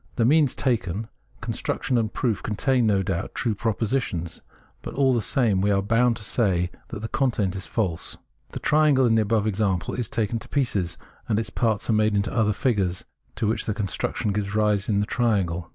The means taken, construction and proof, contain, no doubt, true propositions ; but all the same we are bound to say that the content is false. The triangle in the above example is taken to pieces, and its parts made into other figures to which the construction gives rise in the triangle.